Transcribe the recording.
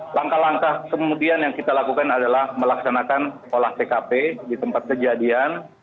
langkah langkah kemudian yang kita lakukan adalah melaksanakan olah tkp di tempat kejadian